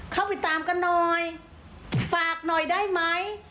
เข้าไปตามกันหน่อยฝากหน่อยได้ไหม